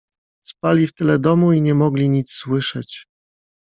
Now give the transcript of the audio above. "Spali w tyle domu i nie mogli nic słyszeć."